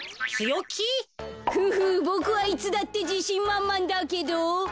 フフボクはいつだってじしんまんまんだけどなにか？